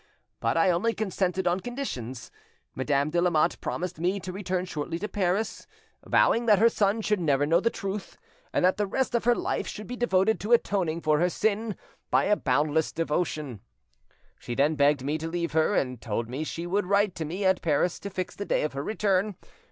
But I only consented on conditions: Madame de Lamotte promised me to return shortly to Paris, vowing that her son should never know the truth, and that the rest of her life should be devoted to atoning for her sin by a boundless devotion. She then begged me to leave her, and told me she would write to me at Paris to fix the day of her return.